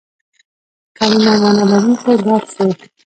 کلیمه مانا لرونکی لفظ دئ.